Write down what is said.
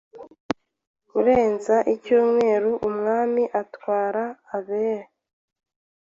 Kurenza icyumweru umwami atwara abe